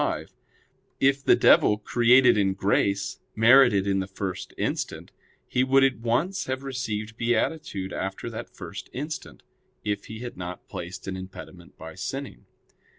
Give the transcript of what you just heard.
5), if the devil, created in grace, merited in the first instant, he would at once have received beatitude after that first instant, if he had not placed an impediment by sinning.